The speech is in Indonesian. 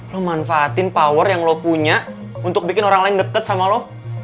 lo manfaatin power yang lo punya untuk bikin orang lain deket sama lo